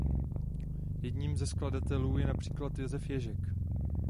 Jedním ze skladatelů je například Jaroslav Ježek.